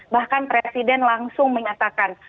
bahkan presiden langsung menyatakan